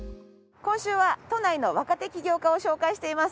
今週は都内の若手起業家を紹介しています。